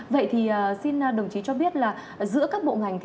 vậy thì xin đồng chí cho biết là giữa các bộ ngành